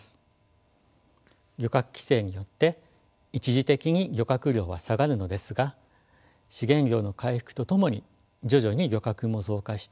漁獲規制によって一時的に漁獲量は下がるのですが資源量の回復とともに徐々に漁獲も増加していき